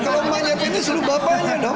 kalau emaknya penuh suruh bapaknya dong